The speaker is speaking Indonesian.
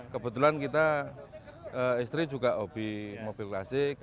kebetulan kita istri juga hobi mobil klasik